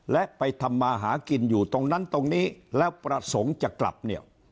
และไปทำมาหากินอยู่ตรงนั้นตรงนี้แล้วประสงค์จะกลับเนี่ย